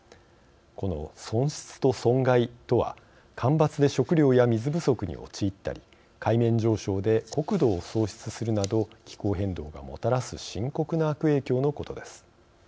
この損失と損害とは、干ばつで食料や水不足に陥ったり海面上昇で国土を喪失するなど気候変動がもたらす深刻な悪影響のことです。